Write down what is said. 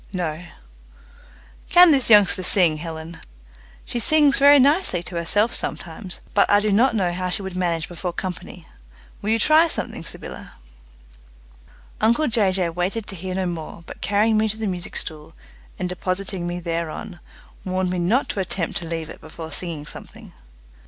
"No," "Can this youngster sing, Helen?" "She sings very nicely to herself sometimes, but I do not know how she would manage before company. Will you try something, Sybylla?" Uncle Jay Jay waited to hear no more, but carrying me to the music stool, and depositing me thereon, warned me not to attempt to leave it before singing something.